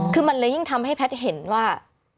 คือมันเลยยิ่งทำให้แพทย์เห็นว่า